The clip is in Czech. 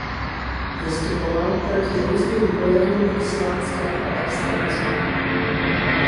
Vystupoval proti různým projevům islámského extremismu.